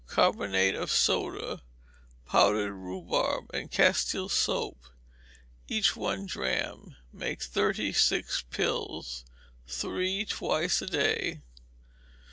Carbonate of soda, powdered rhubarb, and Castile soap, each one drachm; make thirty six pills; three twice a day.